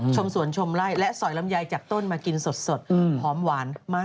สวนชมไล่และสอยลำไยจากต้นมากินสดหอมหวานมาก